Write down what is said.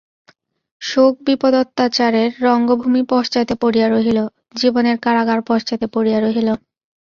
শোক বিপদ অত্যাচারের রঙ্গভূমি পশ্চাতে পড়িয়া রহিল– জীবনের কারাগার পশ্চাতে পড়িয়া রহিল।